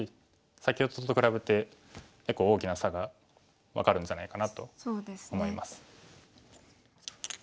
先ほどと比べて結構大きな差が分かるんじゃないかなと思います。